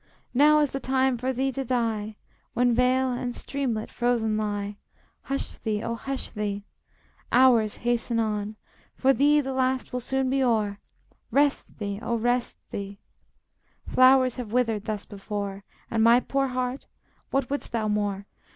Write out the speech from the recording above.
Now is the time for thee to die, When vale and streamlet frozen lie. Hush thee, oh, hush thee! Hours hasten onward; For thee the last will soon be o'er. Rest thee, oh, rest thee! Flowers have withered thus before, And, my poor heart, what wouldst thou more?